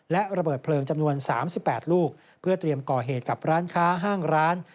และระเบิดเพลิงจำนวน๓๘ลูกเพื่อเตรียมก่อเหตุกับร้านค้าห้างร้าน